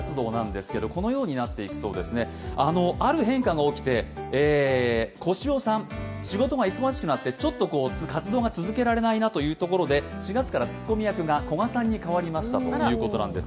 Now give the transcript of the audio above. ある変化が起きて、小塩さん、仕事が忙しくなってちょっと活動が続けられないなということで４月から古賀さんに変わりましたということなんです。